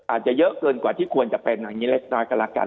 อาจจะเยอะเกินกว่าที่ควรจะเป็นอย่างนี้เล็กน้อยก็แล้วกัน